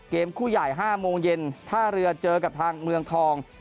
คู่ใหญ่๕โมงเย็นท่าเรือเจอกับทางเมืองทอง